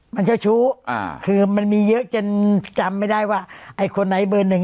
มันเจ้าชู้อ่าคือมันมีเยอะจนจำไม่ได้ว่าไอ้คนไหนเบอร์หนึ่ง